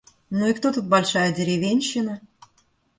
«Ну и кто тут большая деревенщина?»